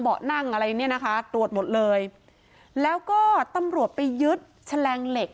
นั่งอะไรเนี่ยนะคะตรวจหมดเลยแล้วก็ตำรวจไปยึดแฉลงเหล็ก